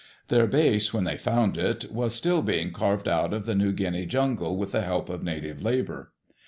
Their base, when they found it, was still being carved out of the New Guinea jungle with the help of native labor.